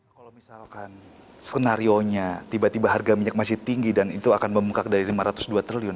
kalau misalkan skenario nya tiba tiba harga minyak masih tinggi dan itu akan membengkak dari rp lima ratus dua triliun